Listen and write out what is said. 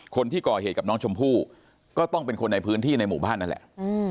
คนที่ก่อเหตุกับน้องชมพู่ก็ต้องเป็นคนในพื้นที่ในหมู่บ้านนั่นแหละ